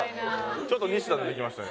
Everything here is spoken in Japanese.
ちょっとニシダ出てきましたね。